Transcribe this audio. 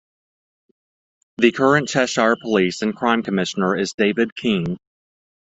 The current Cheshire Police and Crime Commissioner is David Keane.